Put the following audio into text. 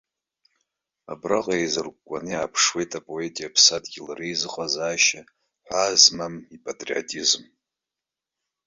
Абраҟа еизыркәкәаны иааԥшуеит апоети иԥсадгьыли реизыҟазаашьа, ҳәаа змам ипатриотизм.